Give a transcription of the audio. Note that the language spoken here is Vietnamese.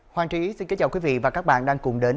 hoàng trí xin kính chào quý vị và các bạn đang cùng đến